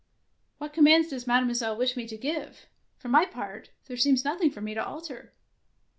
" What commands does Mademoi selle wish me to give? For my part, there seems nothing for me to alter.